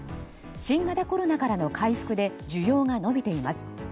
新型コロナからの回復で需要が伸びています。